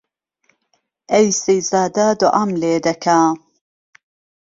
ئەی سەیزادە دووعام لێ دەکا